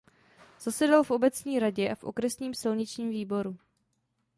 Zasedal v obecní radě a v okresním silničním výboru.